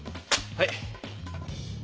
はい。